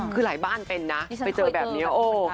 คือหลายบ้านเป็นนะไปเจอแบบนี้โอ้โห